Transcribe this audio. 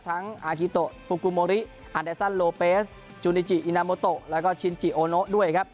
อากิโตฟุกุโมริอันเดซันโลเปสจูนิจิอินาโมโตแล้วก็ชินจิโอโนด้วยครับ